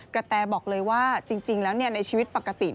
แตบอกเลยว่าจริงแล้วในชีวิตปกติ